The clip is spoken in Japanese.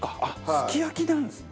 すき焼きなんですね。